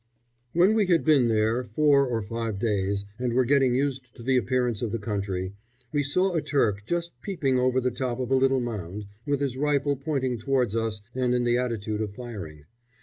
When we had been there four or five days and were getting used to the appearance of the country, we saw a Turk just peeping over the top of a little mound, with his rifle pointing towards us and in the attitude of firing.